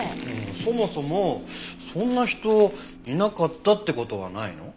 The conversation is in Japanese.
そもそもそんな人いなかったって事はないの？